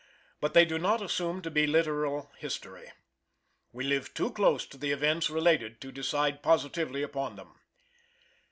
But they do not assume to be literal history: We live too close to the events related to decide positively upon them.